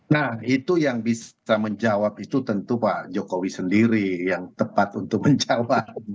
nah itu yang bisa menjawab itu tentu pak jokowi sendiri yang tepat untuk menjawab